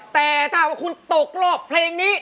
แต่ถ้าคุณตกลงเพลงนี้